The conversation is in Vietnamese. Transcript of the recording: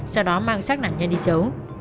sau đó mang xác nạn nhân đi xấu